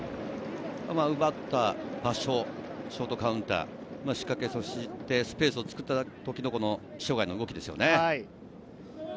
奪った場所、ショートカウンター、仕掛け、そしてスペースを作った時の塩貝の動きですね。